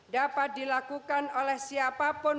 dapat dilakukan oleh siapapun